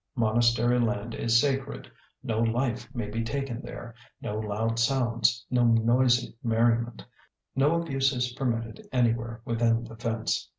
Monastery land is sacred. No life may be taken there, no loud sounds, no noisy merriment, no abuse is permitted anywhere within the fence.